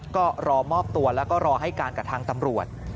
ก็รอมอบตัวแล้วก็รอให้การกับทางตำรวจ